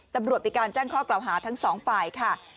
ตำรวจมีการแจ้งข้อกล่าวหาทั้งสองฝ่ายค่ะ